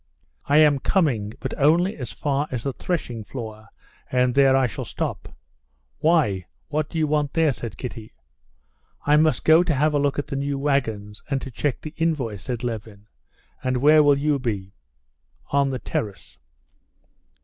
"I am coming, but only as far as the threshing floor, and there I shall stop." "Why, what do you want there?" said Kitty. "I must go to have a look at the new wagons, and to check the invoice," said Levin; "and where will you be?" "On the terrace."